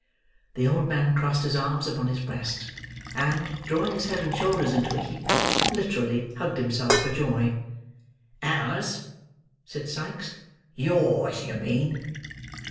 The old man crossed his arms upon his breast; and, drawing his head and shoulders into a heap, literally hugged himself for joy. "Ours!" said Sikes. "Yours, you mean."